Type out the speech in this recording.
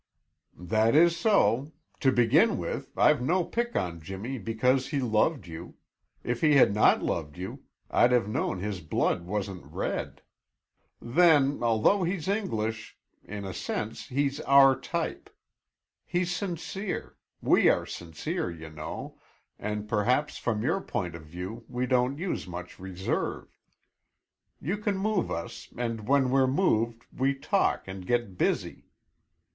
"That is so. To begin with, I've no pick on Jimmy because he loved you; if he had not loved you, I'd have known his blood wasn't red. Then, although he's English, in a sense he's our type. He's sincere; we are sincere, you know, and perhaps, from your point of view, we don't use much reserve. You can move us and when we're moved we talk and get busy.